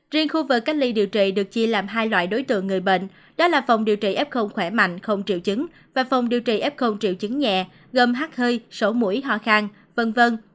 riêng khu vực cách ly điều trị được chia làm hai loại đối tượng người bệnh đó là phòng điều trị f khỏe mạnh không triệu chứng và phòng điều trị f triệu chứng nhẹ gồm hát hơi sổ mũi họ khang v v